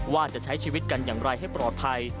ว่าจะใช้ชีวิตกันอย่างไรให้ปลอดภัย